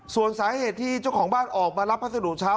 ส่วนสาเหตุที่เจ้าของบ้านออกมารับพัสดุเช้า